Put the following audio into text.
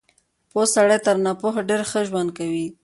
پوه سړی تر ناپوهه ډېر ښه ژوند کوي.